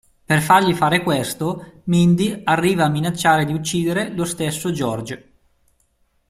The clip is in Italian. Per fargli fare questo Mindy arriva a minacciare di uccidere lo stesso Jorge.